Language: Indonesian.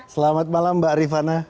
selamat malam mbak rifana